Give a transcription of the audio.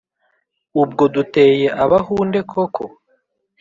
Ubwo duteye Abahunde koko